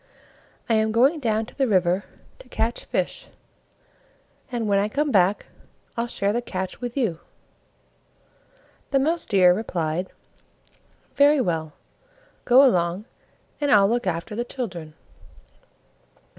I am going down to the river to catch fish, and when I come back, I'll share the catch with you." The Mouse deer replied, "Very well! go along, and I'll look after the children."